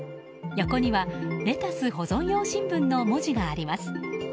横には「レタス保存用新聞」の文字があります。